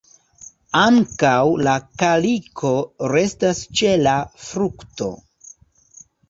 Ankaŭ la kaliko restas ĉe la frukto.